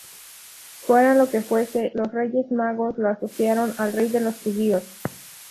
Fuera lo que fuese, los Reyes Magos lo asociaron al Rey de los Judíos.